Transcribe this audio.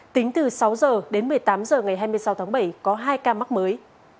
tính từ sáu h đến một mươi tám h ngày hai mươi sáu tháng bảy có hai ca mắc mới